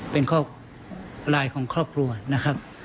เป็นข้อไลน์ของครอบครัวนะครับ